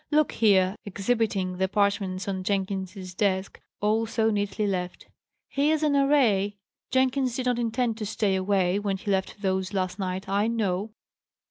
"Look here!" exhibiting the parchments on Jenkins's desk, all so neatly left "here's an array! Jenkins did not intend to stay away, when he left those last night, I know."